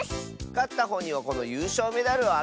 かったほうにはこのゆうしょうメダルをあげるよ！